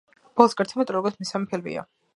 ბოლო გასეირნება ტრილოგიის მესამე ფილმია.